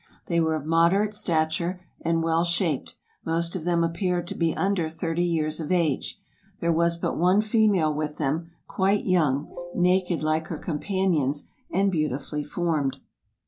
They were of moderate stature and well shaped ; most of them appeared to be under thirty years of age ; there was but one female with them, quite young, naked like her companions, and beautifully formed.